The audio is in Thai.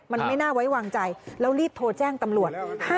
มันไม่น่าไว้วางใจแล้วรีบโทรแจ้งตำรวจ